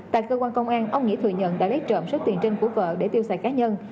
tại cơ quan công an ông nghĩa thừa nhận đã lấy trộm số tiền trên của vợ để tiêu xài cá nhân